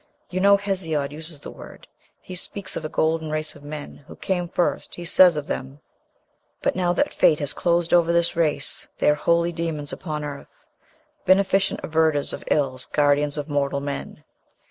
You know Hesiod uses the word. He speaks of 'a golden race of men' who came first. He says of them, But now that fate has closed over this race, They are holy demons upon earth, Beneficent averters of ills, guardians of mortal men.'